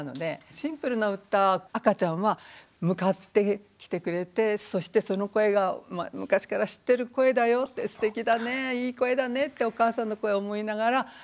シンプルな歌赤ちゃんは向かってきてくれてそしてその声が昔から知ってる声だよってすてきだねいい声だねってお母さんの声を思いながら聞いてるわけです。